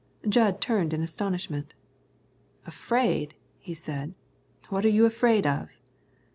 Jud turned in astonishment. "Afraid?" he said; "what are you afraid of?"